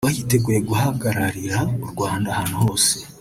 Kuba yiteguye guhagararira Urwanda ahantu hose